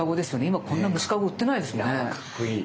今こんな虫かご売ってないですよね。